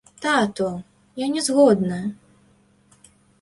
Тату, я не згодна.